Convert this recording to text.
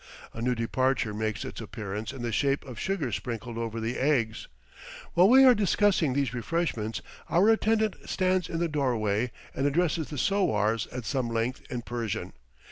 A new departure makes its appearance in the shape of sugar sprinkled over the eggs. While we are discussing these refreshments our attendant stands in the doorway and addresses the sowars at some length in Persian.